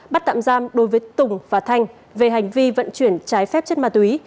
bắt tạm giam đối với tùng và thanh về hành vi vận chuyển trái phép chất ma túy